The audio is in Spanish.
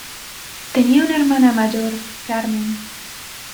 Tenía una hermana mayor, Carmen.